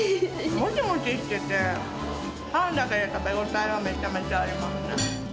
もちもちしてて、パンだけで食べ応えがめちゃめちゃありますね。